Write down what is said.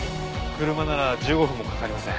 車なら１５分もかかりません。